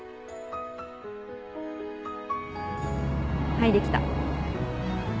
はいできた。